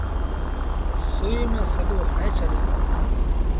سُئيٚ ميݩ سڳو هڻي ڇڏ۔